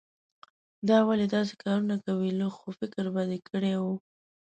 دا ولې داسې کارونه کوې؟ لږ خو فکر به دې کړای وو.